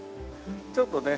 ちょっとね